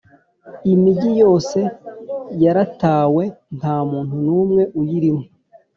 imigi yose yaratawe nta muntu numwe uyirimo